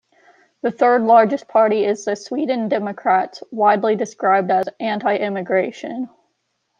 The third largest party is the Sweden Democrats, widely described as "anti-immigration".